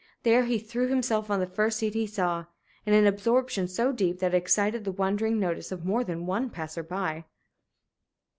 There he threw himself on the first seat he saw, in an absorption so deep that it excited the wondering notice of more than one passer by.